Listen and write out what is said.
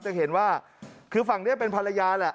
จะเห็นว่าคือฝั่งนี้เป็นภรรยาแหละ